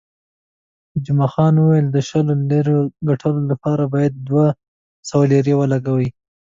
جمعه خان وویل، د شلو لیرو د ګټلو لپاره باید دوه سوه لیرې ولګوې.